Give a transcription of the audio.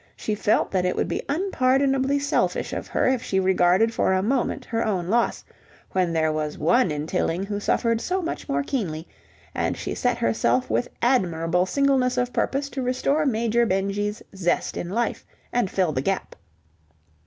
She felt that it would be unpardonably selfish of her if she regarded for a moment her own loss, when there was one in Tilling who suffered so much more keenly, and she set herself with admirable singleness of purpose to restore Major Benjy's zest in life, and fill the gap.